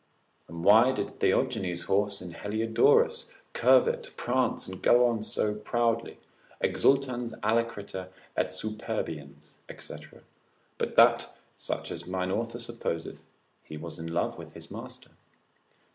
And why did Theogine's horse in Heliodorus curvet, prance, and go so proudly, exultans alacriter et superbiens, &c., but that such as mine author supposeth, he was in love with his master?